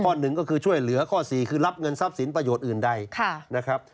หนึ่งก็คือช่วยเหลือข้อ๔คือรับเงินทรัพย์สินประโยชน์อื่นใดนะครับ